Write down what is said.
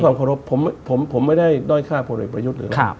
เรื่องความขอรบผมไม่ได้ด้อยฆ่าผลประยุทธ์เลย